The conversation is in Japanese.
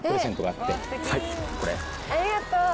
ありがとう。